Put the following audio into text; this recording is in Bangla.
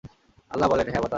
আল্লাহ বললেনঃ হ্যাঁ বাতাস।